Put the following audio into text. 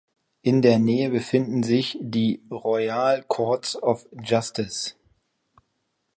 In der Nähe befinden sich die Royal Courts of Justice.